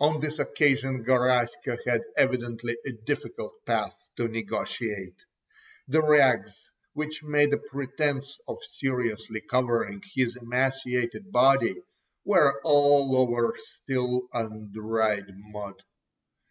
On this occasion Garaska had evidently a difficult path to negotiate. The rags, which made a pretence of seriously covering his emaciated body, were all over still undried mud.